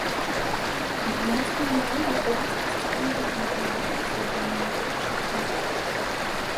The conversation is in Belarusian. А беларускаму народу ўласнасць не патрэбная, іх задавальняе тое, што ёсць.